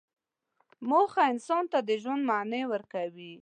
موخه انسان ته د ژوند معنی ورکوي.